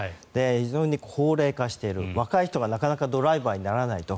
非常に高齢化している若い人がなかなかドライバーにならないと。